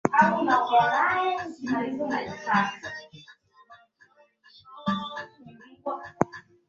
kwa mwezi mmoja zaidi kuhusu kufanyika kwa uchunguza wa malalamiko hayo